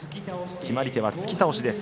決まり手は突き倒しです。